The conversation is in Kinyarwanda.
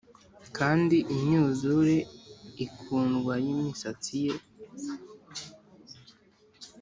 kandi imyuzure ikundwa yimisatsi ye.